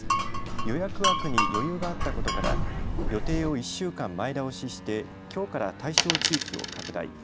予約枠に余裕があったことから予定を１週間前倒しして、きょうから対象地域を拡大。